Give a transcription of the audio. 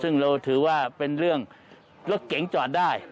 ซึ่งเราถือว่าเป็นเรื่องรถเก๋งจอดได้